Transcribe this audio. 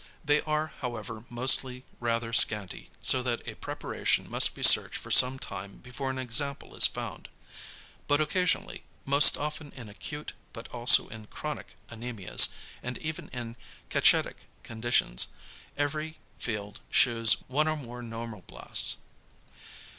They are however mostly rather scanty, so that a preparation must be searched for some time before an example is found. But occasionally, most often in acute, but also in chronic anæmias, and even in =cachectic= conditions, every field shews one or more normoblasts.